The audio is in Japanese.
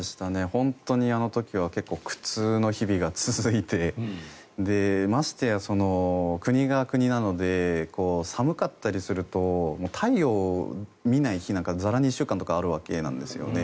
本当にあの時は結構、苦痛の日々が続いてましてや国が国なので寒かったりすると太陽を見ない日なんかざらに１週間とかあるわけなんですね。